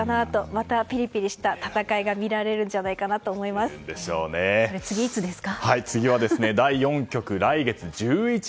またピリピリした戦いが見られるんじゃないかなと次、いつですか？